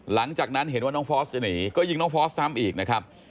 หลังจากนั้นเห็นว่าน้องฟอสจะหนีก็ยิงน้องฟอสซ้ำอีกนะครับ